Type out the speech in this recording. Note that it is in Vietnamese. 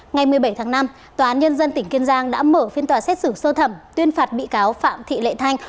ngày một mươi bảy tháng năm tòa án nhân dân tỉnh kiên giang đã mở phiên tòa xét xử sơ thẩm tuyên phạt bị cáo phạm thị lệ thanh